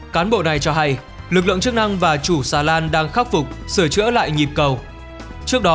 cán bộ này cho hay lực lượng chức năng và chủ xà lan đang khắc phục sửa chữa lại nhịp cầu trước đó